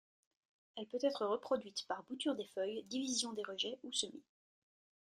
Elle peut être reproduite par bouture des feuilles, division des rejets ou semis.